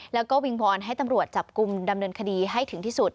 แล้วก็วิงวอนให้ตำรวจจับกลุ่มดำเนินคดีให้ถึงที่สุด